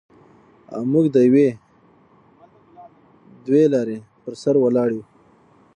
او موږ د یوې دوې لارې پر سر ولاړ یو.